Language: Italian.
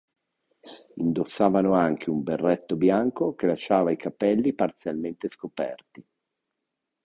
Indossavano anche un berretto bianco che lasciava i capelli parzialmente scoperti.